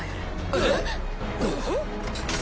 えっ？